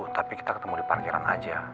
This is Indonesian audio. tapi kita ketemu di parkiran aja